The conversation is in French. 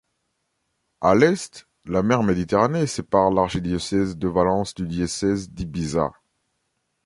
À l'est, la mer Méditerranée sépare l'archidiocèse de Valence du diocèse d'Ibiza.